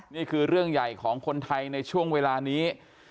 นี่คือเรื่องใหญ่ของคนไทยในช่วงเวลานี้